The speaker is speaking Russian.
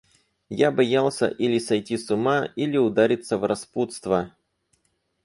Я боялся или сойти с ума, или удариться в распутство.